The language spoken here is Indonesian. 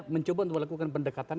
mencoba untuk melakukan pendekatan